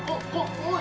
おい！